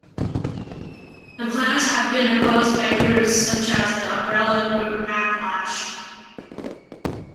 The plans have been opposed by groups such as the umbrella group Backlash.